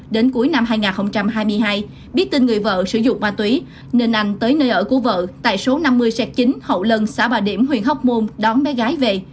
đến cuối năm hai nghìn hai mươi hai biết tin người vợ sử dụng ma túy nên anh tới nơi ở của vợ tại số năm mươi xe chín hậu lân xã bà điểm huyện hóc môn đón bé gái về